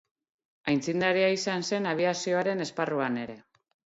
Aitzindaria izan zen abiazioaren esparruan ere.